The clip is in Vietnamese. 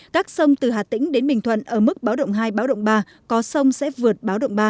các sông từ hà tĩnh đến bình thuận ở mức báo động hai báo động ba có sông sẽ vượt báo động ba